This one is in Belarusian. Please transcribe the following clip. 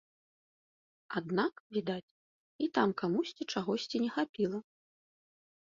Аднак, відаць, і там камусьці чагосьці не хапіла.